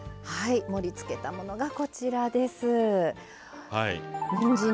はい盛りつけたものがこちらです。